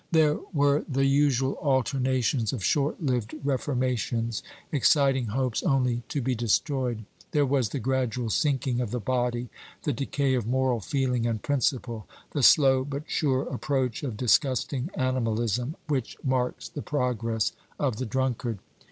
There were the usual alternations of short lived reformations, exciting hopes only to be destroyed. There was the gradual sinking of the body, the decay of moral feeling and principle the slow but sure approach of disgusting animalism, which marks the progress of the drunkard.